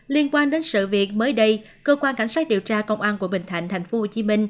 liên quan đến sự việc mới đây cơ quan cảnh sát điều tra công an quận bình thạnh tp hcm